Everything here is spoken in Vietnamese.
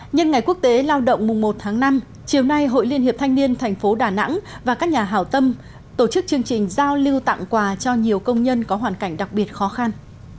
nhân ngày quốc tế lao động mùng một tháng năm chiều nay hội liên hiệp thanh niên thành phố đà nẵng và các nhà hảo tâm tổ chức chương trình giao lưu tặng quà cho nhiều công nhân có hoàn cảnh đặc biệt khó khăn